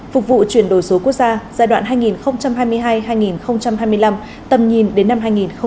phục vụ chuyển đổi số quốc gia giai đoạn hai nghìn hai mươi hai hai nghìn hai mươi năm tầm nhìn đến năm hai nghìn ba mươi